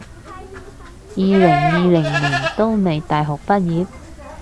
二零二零年都未大學畢業？